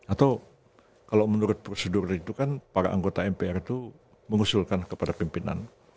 atau kalau menurut prosedur itu kan para anggota mpr itu mengusulkan kepada pimpinan